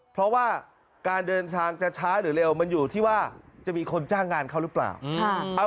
เพราะว่าการเดินทางจะช้าหรือเร็วมันอยู่ที่ว่าจะมีคนจ้างงานเขาหรือเปล่า